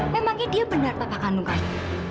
memangnya dia benar papa kandungan